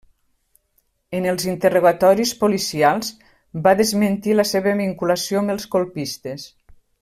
En els interrogatoris policials va desmentir la seva vinculació amb els colpistes.